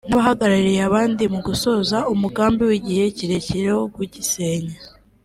n’abahagarariye abandi mu gusohoza umugambi w’igihe kirekire wo kugisenya